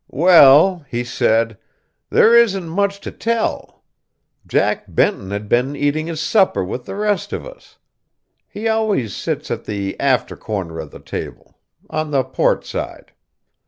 "Well," he said, "there isn't much to tell. Jack Benton had been eating his supper with the rest of us. He always sits at the after corner of the table, on the port side.